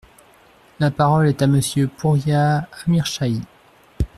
La parole est à Monsieur Pouria Amirshahi.